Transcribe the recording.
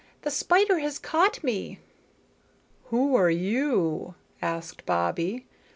The spider has caught me." "Who are you?" asked Bobbie.